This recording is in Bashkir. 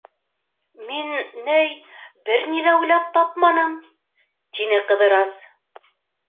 Мин, ни, бер ни ҙә уйлап тапманым, -тине Ҡыҙырас.